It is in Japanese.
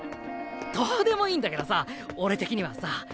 どうでもいいんだけどさ俺的にはさ。